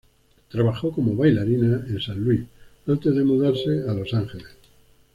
Trabajó como bailarina en San Luis, antes de mudarse a Los Ángeles.